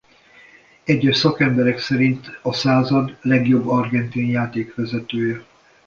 Egyes szakemberek szerint a század legjobb Argentin játékvezetője.